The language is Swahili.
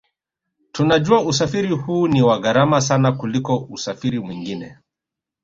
Tunajua usafiri huu ni wa gharama sana kuliko usafiri mwingine